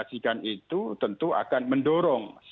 kami sendiri kan itu tentu akan mendorong